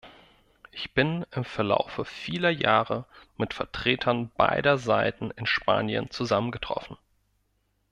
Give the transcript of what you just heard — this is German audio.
Ich bin im Verlaufe vieler Jahre mit Vertretern beider Seiten in Spanien zusammengetroffen.